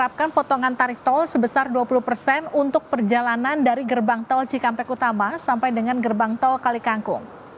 peningkatan diperkirakan terus terjadi hingga hari ini